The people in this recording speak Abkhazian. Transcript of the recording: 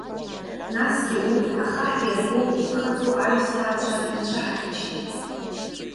Насгьы урҭ, ахаҳә иаргоу иԥхаҵоу аҩсҭаацәа ирцәыҳахьчеит.